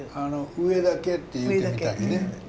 「上だけ」って言うてみたりね。